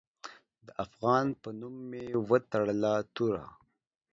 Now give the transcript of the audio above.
د افغان په نوم مې وتړه توره